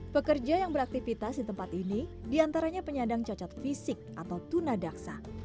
pekerja yang beraktivitas di tempat ini diantaranya penyandang cacat fisik atau tunadaksa